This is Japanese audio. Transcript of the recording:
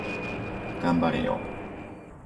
頑張れよ